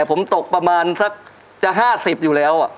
ผมตกประมาณสักจะ๕๐อยู่แล้ว